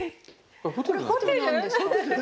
これホテルなんですか？